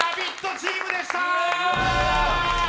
チームでした。